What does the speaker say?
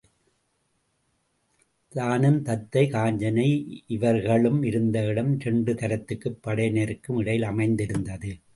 தானும் தத்தை, காஞ்சனை இவர்களும் இருந்த இடம் இரண்டு தரத்துப் படையினருக்கும் இடையில் அமைந்திருந்தது.